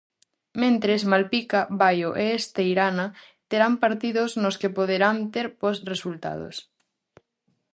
Mentres, Malpica, Baio e Esteirana terán partidos nos que poderán ter bos resultados.